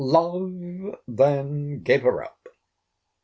LOVE then gave her up.